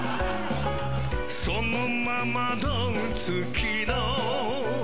そのままドン突きの